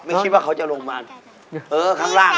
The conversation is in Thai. คิดว่าเขาจะลงมาเออข้างล่าง